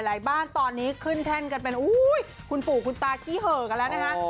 บ้านตอนนี้ขึ้นแท่นกันเป็นคุณปู่คุณตาขี้เหอะกันแล้วนะคะ